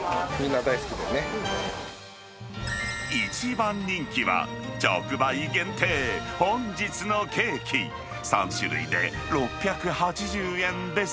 一番人気は、直売限定、本日のケーキ、３種類で６８０円です。